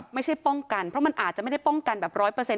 ไม่ใช่ป้องกันเพราะมันอาจจะไม่ได้ป้องกันแบบร้อยเปอร์เซ็